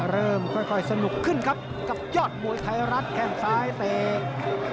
เริ่มค่อยสนุกขึ้นครับกับยอดมวยไทยรัฐแข้งซ้ายเตะ